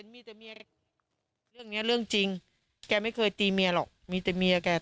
มีแต่เมียเรื่องนี้เรื่องจริงแกไม่เคยตีเมียหรอกมีแต่เมียแก